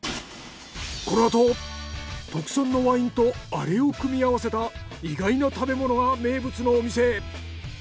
このあと特産のワインとアレを組み合わせた意外な食べ物が名物のお店へ。